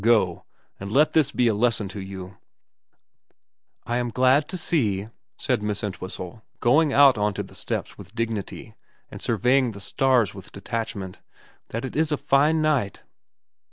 Go. And let this be a lesson to you/ ' I am glad to see,' said Miss Entwhistle, going out on to the steps with dignity, and surveying the stars with detachment, ' that it is a fine night.'